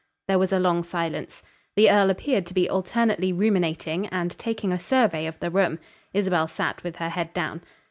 There was a long silence. The earl appeared to be alternately ruminating and taking a survey of the room. Isabel sat with her head down.